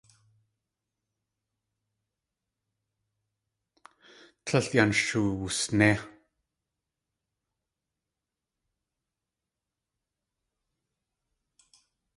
Tlél yan sh wusné.